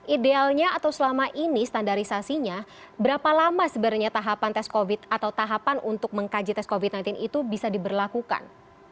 idealnya atau selama ini standarisasinya berapa lama sebenarnya tahapan tes covid atau tahapan untuk mengkaji tes covid sembilan belas itu bisa diberlakukan